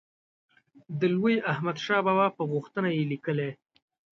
د لوی احمدشاه بابا په غوښتنه یې لیکلی.